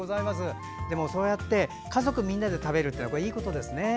そうやって家族みんなで食べるっていいことですよね。